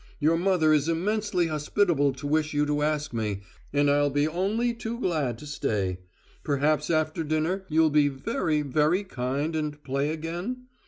Your mother is immensely hospitable to wish you to ask me, and I'll be only too glad to stay. Perhaps after dinner you'll be very, very kind and play again?